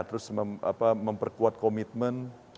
terus memperkuat komitmen